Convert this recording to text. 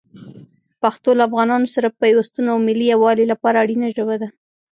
پښتو له افغانانو سره د پیوستون او ملي یووالي لپاره اړینه ژبه ده.